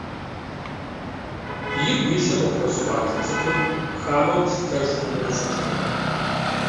Игу илъыр къыпхуэзыӀуатэ цӀыхур хамэу плъытэж хъуну къыщӀэкӀынукъым.